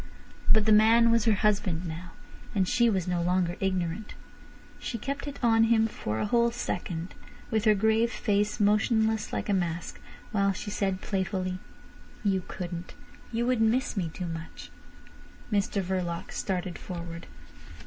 But the man was her husband now, and she was no longer ignorant. She kept it on him for a whole second, with her grave face motionless like a mask, while she said playfully: "You couldn't. You would miss me too much." Mr Verloc started forward.